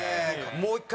もう１回